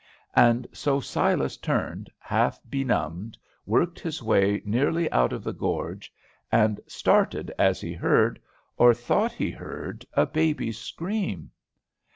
And so Silas turned, half benumbed, worked his way nearly out of the gorge, and started as he heard, or thought he heard, a baby's scream.